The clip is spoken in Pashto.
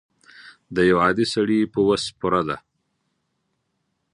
د یو عادي سړي په وس پوره ده.